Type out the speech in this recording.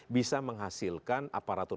bisa menghasilkan aparatur